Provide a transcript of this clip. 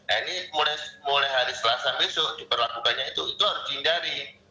nah ini mulai hari selasa besok diperlakukannya itu itu harus dihindari